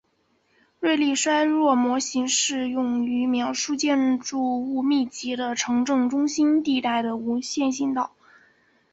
瑞利衰落模型适用于描述建筑物密集的城镇中心地带的无线信道。